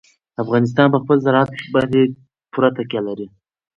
افغانستان په خپل زراعت باندې پوره تکیه لري.